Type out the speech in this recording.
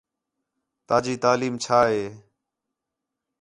تا جی تعلیم چَھا ہے؟